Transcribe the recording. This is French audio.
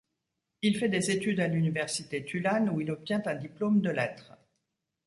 Il fait des études à l'université Tulane, où il obtient un diplôme de Lettres.